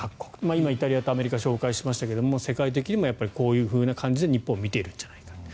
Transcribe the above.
今、イタリアとアメリカを紹介しましたが世界的にもこういう感じで日本を見ているんじゃないか。